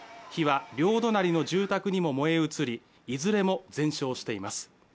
火は両隣の住宅にも燃え移りいずれも全焼してます。